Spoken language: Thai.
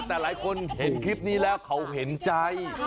แต่หลายคนเห็นคลิปนี้แล้วเขาเห็นใจ